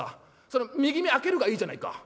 その右目開けるがいいじゃないか」。